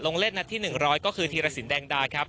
ลงเล่นหนัดที่๑๐๐ก็คือธิรศิลป์แดงดาครับ